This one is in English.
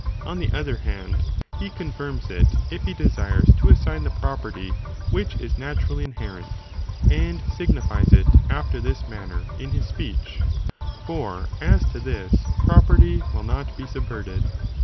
On the other hand, he confirms it, if he desires to assign the property which is naturally inherent, and signifies it after this manner in his speech, for as to this, property will not be subverted.